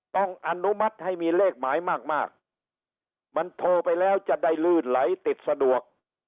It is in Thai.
อนุมัติให้มีเลขหมายมากมันโทรไปแล้วจะได้ลื่นไหลติดสะดวก